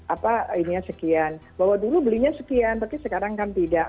apa ininya sekian bahwa dulu belinya sekian tapi sekarang kan tidak